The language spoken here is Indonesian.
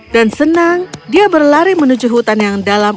dan senang dia berlari menuju hutan yang dalam